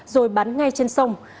rồi bắn ngay trên sông